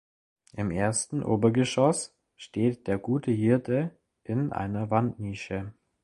Im ersten Obergeschoss steht der Gute Hirte in einer Wandnische.